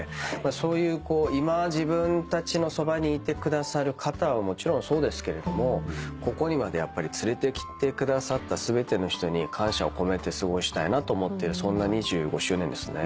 そういう今自分たちのそばにいてくださる方はもちろんそうですけれどもここにまで連れてきてくださった全ての人に感謝を込めて過ごしたいなと思っているそんな２５周年ですね。